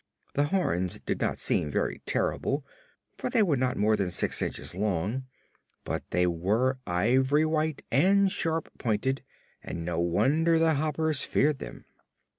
The horns did not seem very terrible, for they were not more than six inches long; but they were ivory white and sharp pointed, and no wonder the Hoppers feared them.